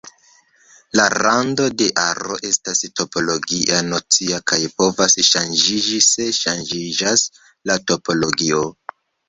La rando de aro estas topologia nocio kaj povas ŝanĝiĝi se ŝanĝiĝas la topologio.